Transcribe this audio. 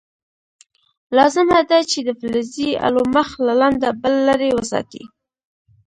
لازمه ده چې د فلزي الو مخ له لنده بل لرې وساتئ.